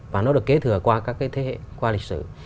và nó được kế thừa qua các cái thế hệ qua lịch sử